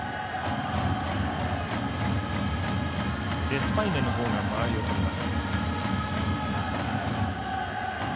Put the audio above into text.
デスパイネのほうが間合いをとります。